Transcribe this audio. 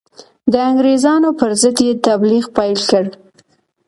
د انګرېزانو پر ضد یې تبلیغ پیل کړ.